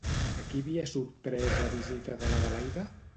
A qui havia sorprès la visita de l'Adelaida?